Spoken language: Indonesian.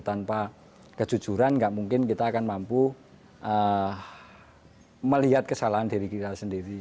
tanpa kejujuran nggak mungkin kita akan mampu melihat kesalahan diri kita sendiri